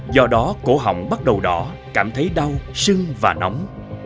do đó cổ họng bắt đầu đỏ cảm thấy đau sưng và nóng